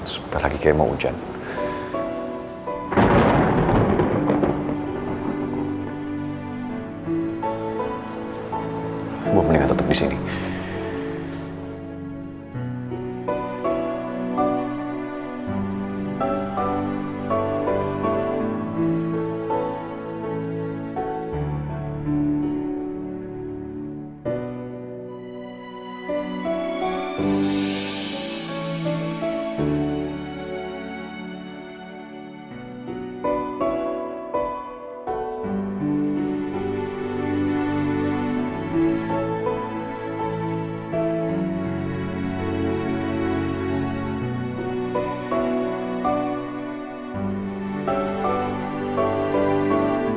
setelah lagi kemo ujan